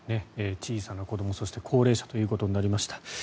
小さな子どもそして高齢者ということになりました。